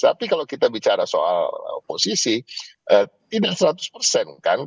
tapi kalau kita bicara soal oposisi tidak seratus persen kan